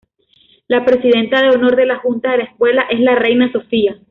La Presidenta de Honor de la Junta de la Escuela es la Reina Sofía.